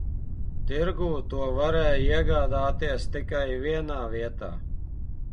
Tirgū to varēja iegādāties tikai vienā vietā.